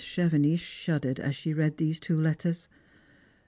Chevenix shuddered as she read these two letters.